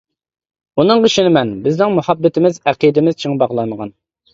ئۇنىڭغا ئىشىنىمەن، بىزنىڭ مۇھەببىتىمىز، ئەقىدىمىز چىڭ باغلانغان.